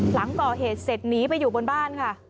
หลังก่อเหตุเสร็จหนีไปอยู่บนบ้านค่ะ